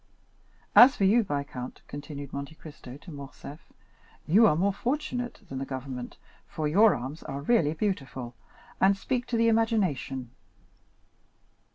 As for you, viscount," continued Monte Cristo to Morcerf, "you are more fortunate than the government, for your arms are really beautiful, and speak to the imagination.